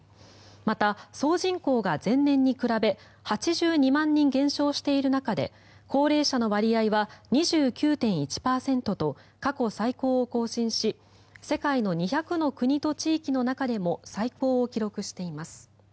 また総人口が前年に比べ８２万人減少している中で高齢者の割合は２９．１％と過去最高を更新し世界の２００の国と地域の中でも最高を記録しています。